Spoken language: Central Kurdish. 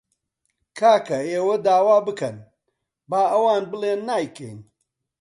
کاکە ئێوە داوا بکەن، با ئەوان بڵێن نایکەین